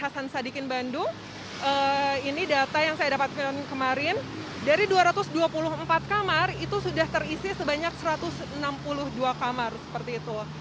hasan sadikin bandung ini data yang saya dapatkan kemarin dari dua ratus dua puluh empat kamar itu sudah terisi sebanyak satu ratus enam puluh dua kamar seperti itu